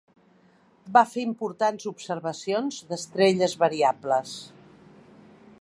Va fer importants observacions d'estrelles variables.